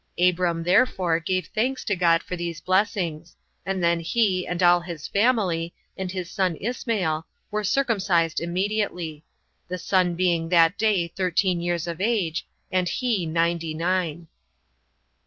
Abram therefore gave thanks to God for these blessings; and then he, and all his family, and his son Ismael, were circumcised immediately; the son being that day thirteen years of age, and he ninety nine.